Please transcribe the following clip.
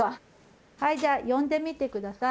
はいじゃあ呼んでみて下さい。